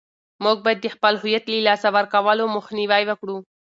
موږ باید د خپل هویت له لاسه ورکولو مخنیوی وکړو.